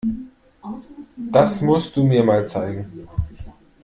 Das musst du mir mal zeigen.